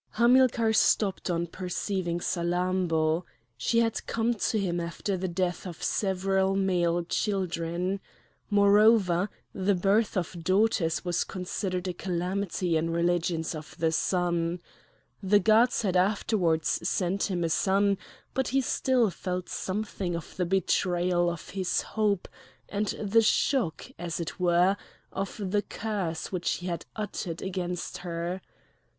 Hamilcar stopped on perceiving Salammbô. She had come to him after the death of several male children. Moreover, the birth of daughters was considered a calamity in the religions of the Sun. The gods had afterwards sent him a son; but he still felt something of the betrayal of his hope, and the shock, as it were, of the curse which he had uttered against her.